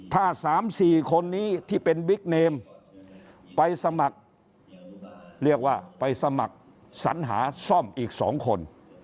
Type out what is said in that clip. ถ้า๓๔คนนี้ที่เป็นบิ๊กเนมไปสมัครเรียกว่าไปสมัครสัญหาซ่อมอีก๒คน